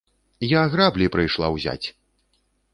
Я граблі прыйшла ўзяць!